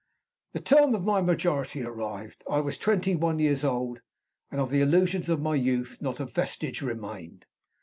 The term of my majority arrived. I was twenty one years old; and of the illusions of my youth not a vestige remained.